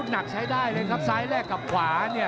หนักใช้ได้เลยครับซ้ายแลกกับขวาเนี่ย